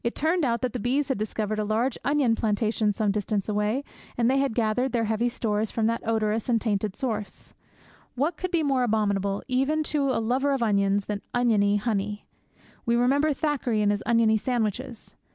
It turned out that the bees had discovered a large onion plantation some distance away, and had gathered their heavy stores from that odorous and tainted source! What could be more abominable, even to a lover of onions, than oniony honey? We remember Thackeray and his oniony sandwiches.